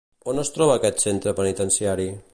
On es troba aquest centre penitenciari?